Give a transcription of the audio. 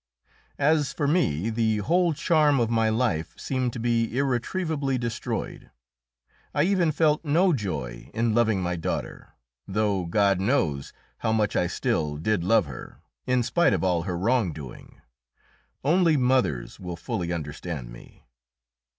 As for me, the whole charm of my life seemed to be irretrievably destroyed. I even felt no joy in loving my daughter, though God knows how much I still did love her, in spite of all her wrongdoing. Only mothers will fully understand me.